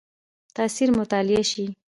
تاثیر مطالعه شي.